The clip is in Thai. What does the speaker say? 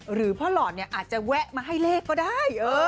หรือพ่อหลอดเนี่ยอาจจะแวะมาให้เลขก็ได้